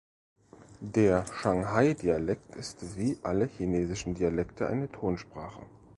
Der Shanghai-Dialekt ist wie alle chinesischen Dialekte eine Tonsprache.